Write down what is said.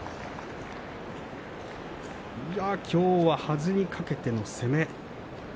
きょうは、はずにかけての攻め。